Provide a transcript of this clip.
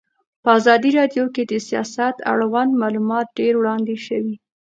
په ازادي راډیو کې د سیاست اړوند معلومات ډېر وړاندې شوي.